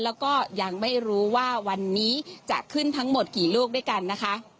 แล้วก็ยังไม่รู้ว่าวันนี้จะขึ้นทั้งหมดกี่ลูกด้วยกันนะคะ